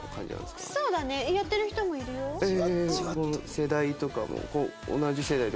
世代とかも。